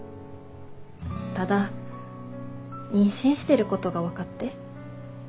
ただ妊娠してることが分かって。